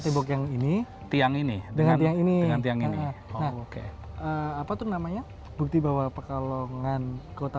tibok yang ini dengan tiang ini dengan tiang ini apa tuh namanya bukti bahwa pekalongan kota